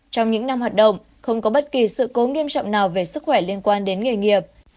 trong những năm hoạt động không có bất kỳ sự cố nghiêm trọng nào về sức khỏe liên quan đến nghề nghiệp